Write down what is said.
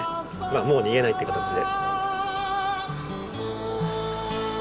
まあもう逃げないっていう形で。